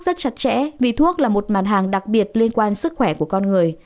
rất chặt chẽ vì thuốc là một mặt hàng đặc biệt liên quan sức khỏe của con người